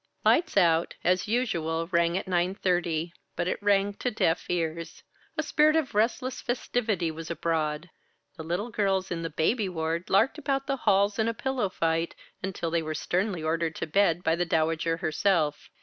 "Lights out" as usual, rang at nine thirty, but it rang to deaf ears. A spirit of restless festivity was abroad. The little girls in the "Baby Ward" larked about the halls in a pillow fight, until they were sternly ordered to bed by the Dowager herself.